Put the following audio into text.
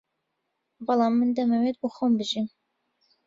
بەڵام من دەمەوێت بۆ خۆم بژیم